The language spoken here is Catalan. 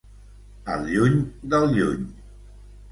Al lluny del lluny.